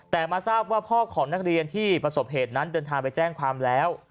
แต่มาทราบว่าพ่อของนักเรียนที่ประสบเหตุนั้นเดินทางไปแจ้งความแล้ว